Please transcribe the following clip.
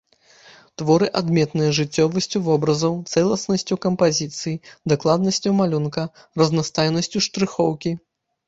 Творы адметныя жыццёвасцю вобразаў, цэласнасцю кампазіцыі, дакладнасцю малюнка, разнастайнасцю штрыхоўкі.